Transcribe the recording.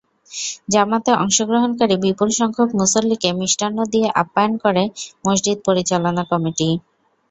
জামাতে অংশগ্রহণকারী বিপুলসংখ্যক মুসল্লিকে মিষ্টান্ন দিয়ে আপ্যায়ন করে মসজিদ পরিচালনা কমিটি।